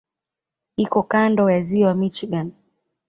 Iko kando ya Ziwa Michigan.